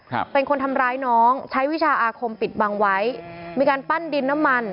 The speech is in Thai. ครับเป็นคนทำร้ายน้องใช้วิชาอาคมปิดบังไว้มีการปั้นดินน้ำมัน